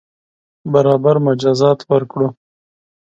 برابر مجازات ورکړو.